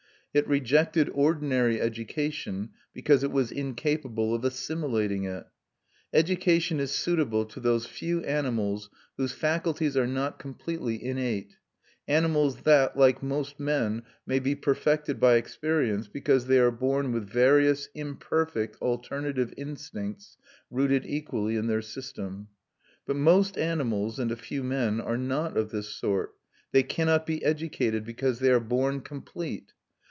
It rejected ordinary education, because it was incapable of assimilating it. Education is suitable to those few animals whose faculties are not completely innate, animals that, like most men, may be perfected by experience because they are born with various imperfect alternative instincts rooted equally in their system. But most animals, and a few men, are not of this sort. They cannot be educated, because they are born complete.